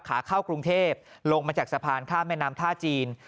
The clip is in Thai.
ขาเข้ากรุงเทพลงมาจากสะพานข้ามแม่น้ำท่าจีน